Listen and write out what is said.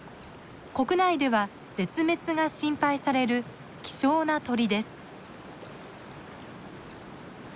国内では絶滅が心配される希少な鳥です。